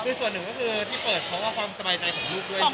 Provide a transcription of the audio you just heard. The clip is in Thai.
คือส่วนหนึ่งก็คือที่เปิดเพราะว่าความสบายใจของลูกด้วยใช่ไหม